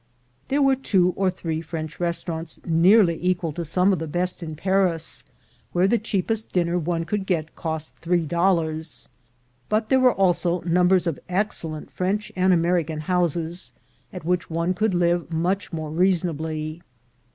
There were two or three French restaurants nearly equal to some of the best in Paris, where the cheapest dinner one could get cost three dollars; but there were also numbers of excellent French and American houses, at which one could live much more reason ably.